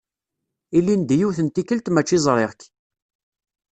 Ilindi yiwet n tikelt mačči ẓriɣ-k.